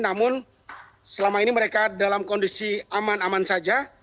namun selama ini mereka dalam kondisi aman aman saja